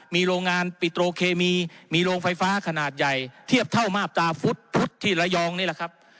มีโรงงานปิโตรเคมีมีโรงไฟฟ้าขนาดใหญ่เทียบเท่ามาบตาพุทธที่ระยองนี่แหละครับ